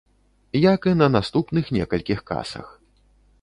Як і на наступных некалькіх касах.